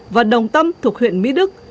và đồng tâm thuộc huyện mỹ đức